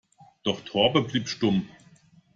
Doch Torben blieb stumm.